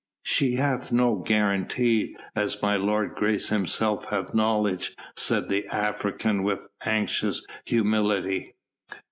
"She hath no guarantee, as my lord's grace himself hath knowledge," said the African with anxious humility.